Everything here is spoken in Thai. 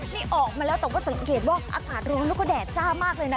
นี่ออกมาแล้วแต่ว่าสังเกตว่าอากาศร้อนแล้วก็แดดจ้ามากเลยนะ